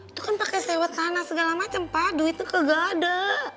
itu kan pake sewa tanah segala macem pak duitnya kegak ada